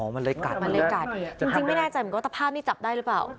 อ๋อมันเลยกะมันเลยกะจริงไม่แน่ใจมันก็ว่าข้าวอัตภาพนี่จับได้หรือเปล่า